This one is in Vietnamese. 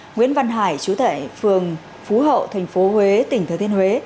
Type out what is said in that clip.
nguyễn văn hải chú tại phường phú hậu thành phố huế tỉnh thừa thiên huế